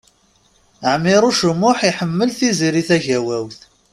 Ɛmiṛuc U Muḥ iḥemmel Tiziri Tagawawt.